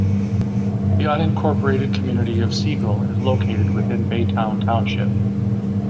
The unincorporated community of Siegel is located within Baytown Township.